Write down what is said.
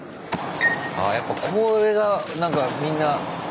ああやっぱこれが何かみんなやるんだ。